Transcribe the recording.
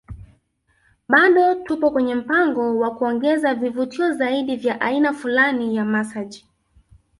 Bado tupo kwenye mpango wa kuongeza vivutio zaidi vya aina fulani za masaji